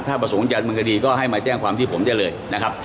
ถ้าประสงค์จันทร์เมืองคดีก็ให้มาแจ้งความที่ผมได้เลยนะครับ